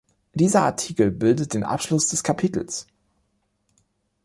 Dieser Artikel bildet den Abschluss des Kapitels.